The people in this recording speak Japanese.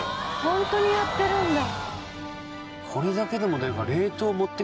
ホントにやってるんだ・